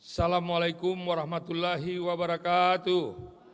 assalamu'alaikum warahmatullahi wabarakatuh